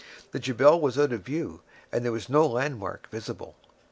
The Jebel was out of view, and there was no landmark visible.